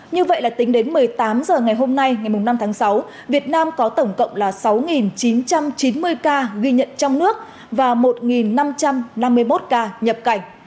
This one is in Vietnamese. như vậy là tính đến một mươi tám h ngày hôm nay ngày năm tháng sáu việt nam có tổng cộng là sáu chín trăm chín mươi ca ghi nhận trong nước và một năm trăm năm mươi một ca nhập cảnh